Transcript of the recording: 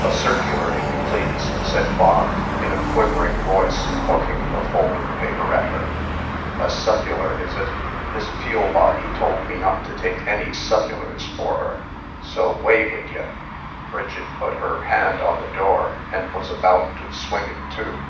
"A circular, if you please," said Bog, in a quivering voice, poking the folded paper at her. "A succular, is it? Miss Peelbody told me not to take any succulars for her. So 'way wid ye." Bridget put her hand on the door, and was about to swing it to.